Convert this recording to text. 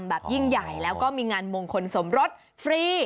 แบบยิ่งใหญ่แล้วก็มีงานมงคลสมรสฟรี